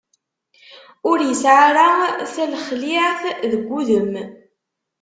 Ur isɛa ara talexliɛt deg udem.